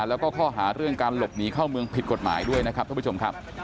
แล้วก็ข้อหาเรื่องการหลบหนีเข้าเมืองผิดกฎหมายด้วยนะครับท่านผู้ชมครับ